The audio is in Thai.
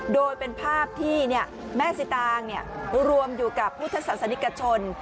โดยเป็นภาพที่แม่สิตางค์รวมอยู่กับพุทธศาสนิกชน